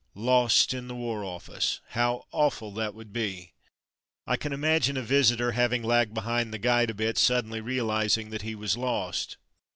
Lost in the War Office! — how awful that would be! I can imagine a visitor, having lagged behind the guide a bit, suddenly realizing that he was lost!